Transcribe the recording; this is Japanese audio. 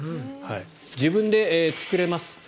自分で作れます。